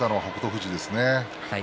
富士ですね。